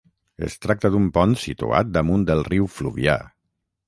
Es tracta d'un pont situat damunt el riu Fluvià.